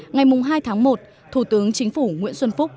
ngày hai tháng một thủ tướng chính phủ nguyễn xuân phúc